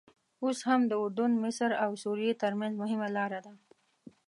اوس هم د اردن، مصر او سوریې ترمنځ مهمه لاره ده.